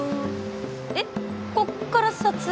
えっこっから撮影？